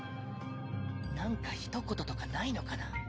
なんかひと言とかないのかな。